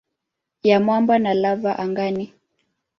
ya mwamba na lava angani.